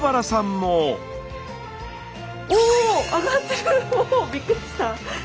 もうびっくりした。